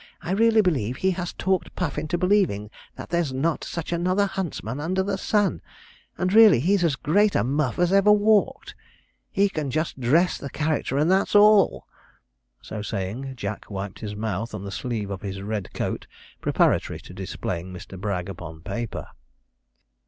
I really believe he has talked Puff into believing that there's not such another huntsman under the sun, and really he's as great a muff as ever walked. He can just dress the character, and that's all.' So saying Jack wiped his mouth on the sleeve of his red coat preparatory to displaying Mr. Bragg upon paper.